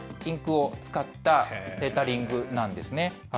これ、ラメ入りのインクを使ったレタリングなんですね。